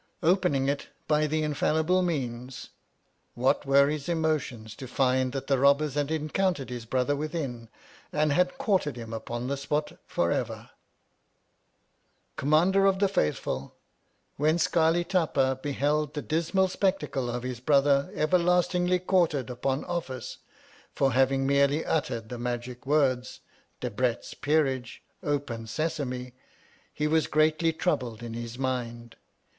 Opening it by the infallible means, what were his emotions to find that the robbers had encountered his brother within, and had quartered him upon the spot for ever ! Commander of the Faithful, when Scarli Tapa beheld the dismal spectacle of his brother everlastingly quartered upon Office for having merely uttered the magic words, Debrett's Peerage. Open Sesame ! he was greatly troubled in his mind.